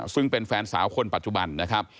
ซึ่งเป็นแฟนสาวคนปัจจุบันนะครับ